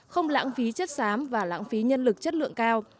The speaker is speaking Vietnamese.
không lãng phí chất xám và lãng phí nhân lực chất lượng cao